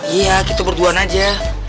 iya kita berduaan aja